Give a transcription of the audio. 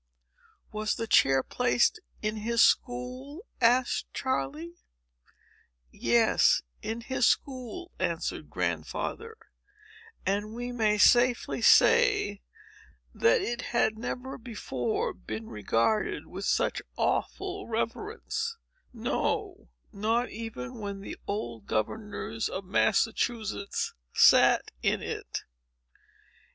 "Was the chair placed in his school?" asked Charley. "Yes, in his school," answered Grandfather; "and we may safely say that it had never before been regarded with such awful reverence—no, not even when the old governors of Massachusetts sat in it.